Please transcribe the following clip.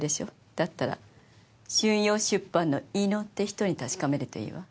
だったら春陽出版の猪野って人に確かめるといいわ。